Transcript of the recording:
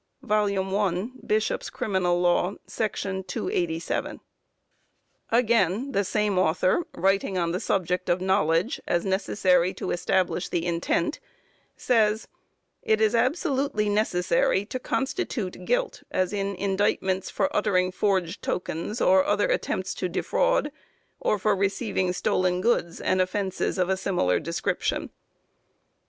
(1 Bishop's Crim. Law, §287.) Again, the same author, writing on the subject of knowledge, as necessary to establish the intent, says: "It is absolutely necessary to constitute guilt, as in indictments for uttering forged tokens, or other attempts to defraud, or for receiving stolen goods, and offences of a similar description."